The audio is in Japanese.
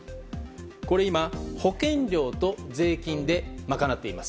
今、保険料と税金で賄っています。